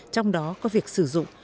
trong đó có việc sử dụng